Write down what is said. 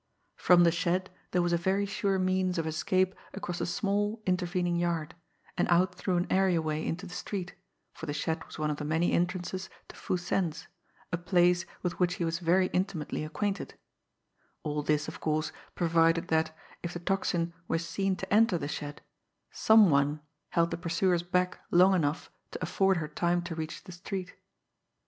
From the shed there was a very sure means of escape across a small intervening yard, and out through an areaway into the street, for the shed was one of the many entrances to Foo Sen's, a place with which he was very intimately acquainted all this, of course, provided that, if the Tocsin were seen to enter the shed, some one held the pursuers back long enough to afford her time to reach the street.